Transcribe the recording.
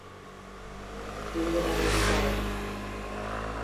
Do whatever you want.